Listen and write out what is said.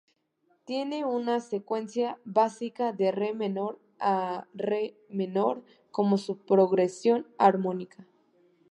Tiene una secuencia básica de "re" menor a "re" menor como su progresión armónica.